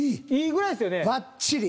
いいぐらいですよね。